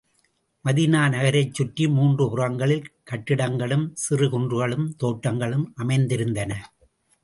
Medina நகரைச் சுற்றி மூன்று புறங்களில் கட்டடங்களும், சிறு குன்றுகளும், தோட்டங்களும் அமைந்திருந்தன.